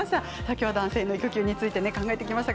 今日は男性の育休について考えてきました。